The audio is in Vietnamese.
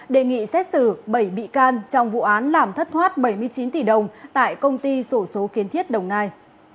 đề nghị xét xử bảy bị can trong vụ án làm thất thoát bảy mươi chín tỷ đồng tại công ty sổ số kiến thiết đồng nai